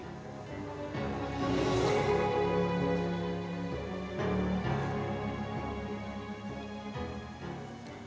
busur jemparing turki